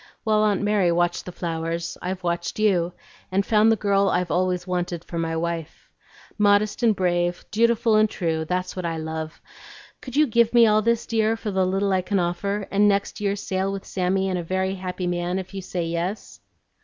While Aunt Mary watched the flowers, I've watched you, and found the girl I've always wanted for my wife. Modest and brave, dutiful and true, that's what I love; could you give me all this, dear, for the little I can offer, and next year sail with Sammy and a very happy man if you say yes?"